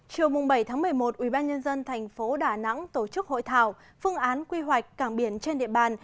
chiều bảy một mươi một ubnd tp đà nẵng tổ chức hội thảo phương án quy hoạch cảng biển trên địa bàn